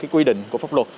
quy định của pháp luật